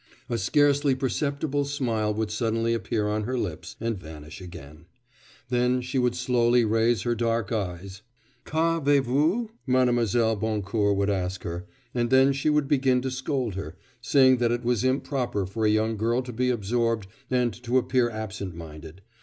A scarcely perceptible smile would suddenly appear on her lips and vanish again; then she would slowly raise her large dark eyes. 'Qu'avez vous?' Mlle. Boncourt would ask her, and then she would begin to scold her, saying that it was improper for a young girl to be absorbed and to appear absent minded.